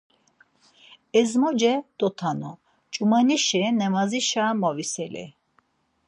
Ezmoce dotanu ç̌umanişi namazişa moviseli.